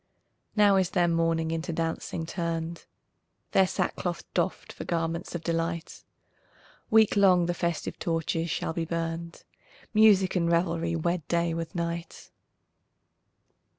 Now is their mourning into dancing turned, Their sackcloth doffed for garments of delight, Week long the festive torches shall be burned, Music and revelry wed day with night.